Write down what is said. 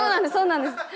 そうなんです。